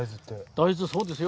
大豆そうですよ。